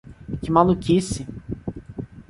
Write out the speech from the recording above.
Que maluquice!